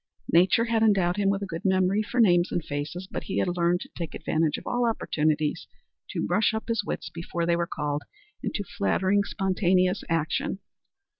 Nature had endowed him with a good memory for names and faces, but he had learned to take advantage of all opportunities to brush up his wits before they were called into flattering, spontaneous action.